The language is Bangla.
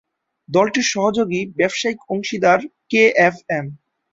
দলটির সহযোগী ব্যবসায়িক অংশীদার কেএফএম।